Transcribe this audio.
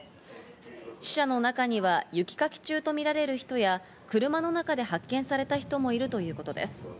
死者の中には雪かき中とみられる人や車の中で発見された人もいるということです。